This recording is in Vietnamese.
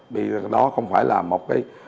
vì đó không phải là một cái